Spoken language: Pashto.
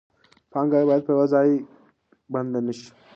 پانګه باید په یو ځای بنده نشي.